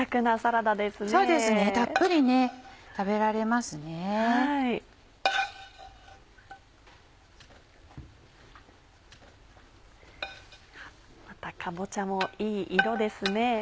またかぼちゃもいい色ですね